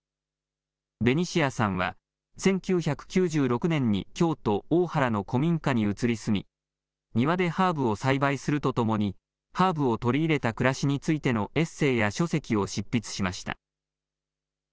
ベニシアさんは１９９６年に京都大原の古民家に移り住み庭でハーブを栽培するとともにハーブを取り入れた暮らしについてのエッセーや書籍を執筆しました。